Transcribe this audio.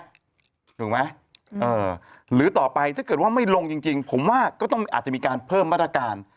ถูกไหมหรือต่อไปถ้าเกิดว่าไม่ลงจริงผมว่าก็ต้องอาจจะมีการเพิ่มมาตรการ